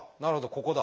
ここだ。